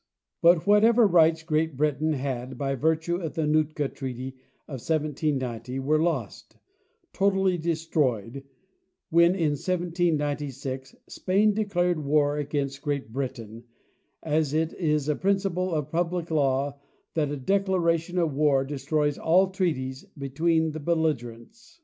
But whatever rights Great Britain had by virtue of the Nootka treaty of 1790 were lost, totally destroyed, when in 1796 Spain declared war against Great Britain, as it is a principle of public law that a declaration of war destroys all treaties between the belligerents.